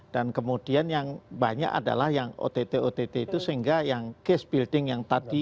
dan kemudian yang banyak adalah yang ott ott itu sehingga yang case building yang tadi